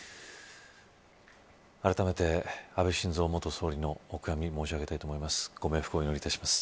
あらためて、安倍晋三元総理のお悔み申し上げたいと思います。